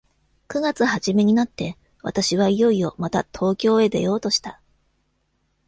九月始めになって、私はいよいよまた東京へ出ようとした。